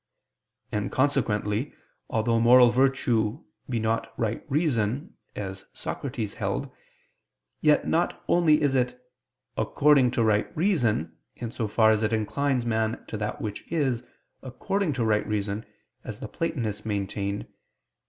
And consequently, although moral virtue be not right reason, as Socrates held, yet not only is it "according to right reason," in so far as it inclines man to that which is, according to right reason, as the Platonists maintained [*Cf.